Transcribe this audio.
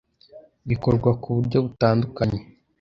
bikorwa ku buryo butandukanye